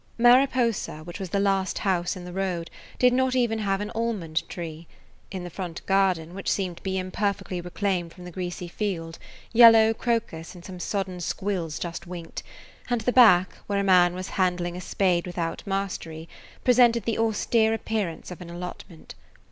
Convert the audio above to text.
Mariposa, which was the last house in the road, did not even have an almond tree. In the front garden, which seemed to be imperfectly reclaimed from the greasy field, yellow crocus and some sodden squills just winked, and the back, where a man was handling a spade without mastery, presented the austere appearance of an allotment.